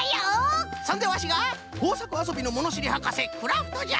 そんでワシがこうさくあそびのものしりはかせクラフトじゃ！